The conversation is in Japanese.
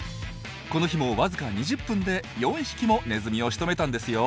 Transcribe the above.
この日もわずか２０分で４匹もネズミをしとめたんですよ。